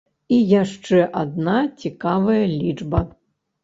І яшчэ адна цікавая лічба.